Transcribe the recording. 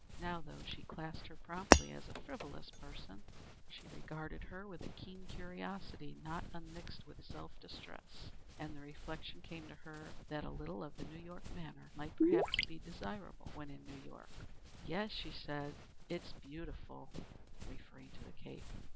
Now, though she classed her promptly as a frivolous person, she regarded her with a keen curiosity not unmixed with self distress, and the reflection came to her that a little of the New York manner might perhaps be desirable when in New York. "Yes, it's beautiful," she replied, referring to the cape.